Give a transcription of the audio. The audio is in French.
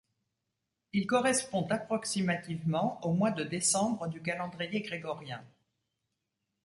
Il correspond approximativement au mois de décembre du calendrier grégorien.